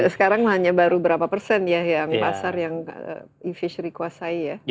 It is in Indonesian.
sekarang mah hanya baru berapa persen ya yang pasar yang e fish rekuasai ya